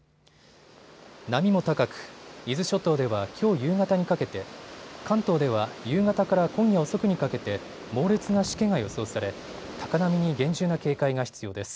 波も高く、伊豆諸島ではきょう夕方にかけて、関東では夕方から今夜遅くにかけて猛烈なしけが予想され高波に厳重な警戒が必要です。